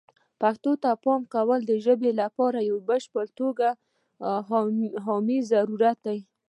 پښتو ته د پام ورکول د ژبې لپاره په بشپړه توګه حمایه ضروري ده.